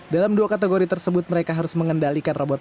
dalam dua kategori tersebut mereka harus mengendalikan robot